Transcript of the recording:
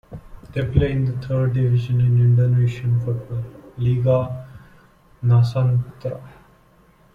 They play in the third division in Indonesian football, Liga Nusantara.